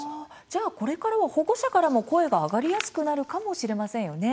じゃあこれからは保護者からも声が上がりやすくなるかもしれませんよね。